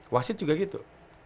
wasit juga gitu